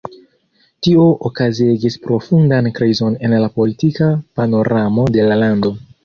Tio okazigis profundan krizon en la politika panoramo de la lando.